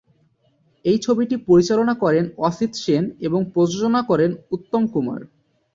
এই ছবিটি পরিচালনা করেন অসিত সেন এবং প্রযোজনা করেন উত্তম কুমার।